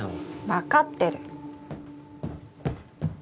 わかってる。